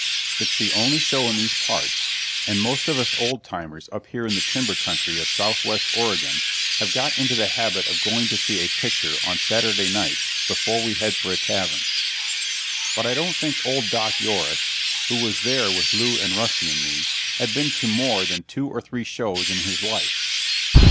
It's the only show in these parts, and most of us old timers up here in the timber country of southwest Oregon have got into the habit of going to see a picture on Saturday nights before we head for a tavern. But I don't think old Doc Yoris, who was there with Lew and Rusty and me, had been to more than two or three shows in his life.